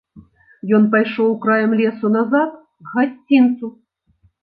Ён пайшоў краем лесу назад к гасцінцу.